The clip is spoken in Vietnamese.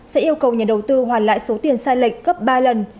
sẽ yêu cầu nhà đầu tư hoàn lại số tiền sai lệch gấp ba lần